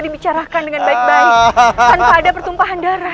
dibicarakan dengan baik baik tanpa ada pertumpahan darah